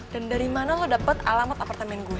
dan dari mana lu dapat alamat apartemen gue